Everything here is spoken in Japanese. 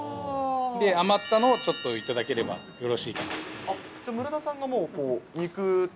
余ったのをちょっと頂ければよろしいかなと。